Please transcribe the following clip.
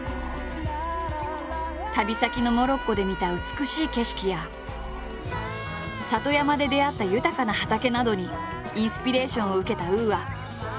旅先のモロッコで見た美しい景色や里山で出会った豊かな畑などにインスピレーションを受けたＵＡ。